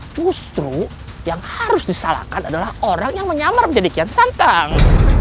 justru yang harus disalahkan adalah orang yang menyamar menjadi kian santang